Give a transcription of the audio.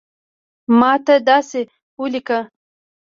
ماته داسی اولیکه